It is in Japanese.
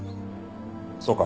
そうか。